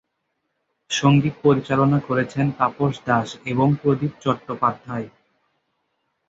সঙ্গীত পরিচালনা করেছেন তাপস দাস এবং প্রদীপ চট্টোপাধ্যায়।